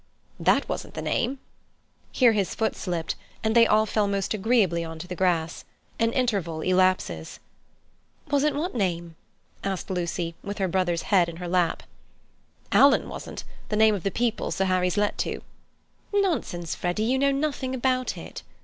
"That wasn't the name—" Here his foot slipped, and they all fell most agreeably on to the grass. An interval elapses. "Wasn't what name?" asked Lucy, with her brother's head in her lap. "Alan wasn't the name of the people Sir Harry's let to." "Nonsense, Freddy! You know nothing about it."